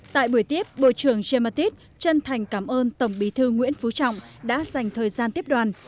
tại buổi tiếp bộ trưởng james mattis chân thành cảm ơn tổng bí thư nguyễn phú trọng đã dành thời gian tiếp đoàn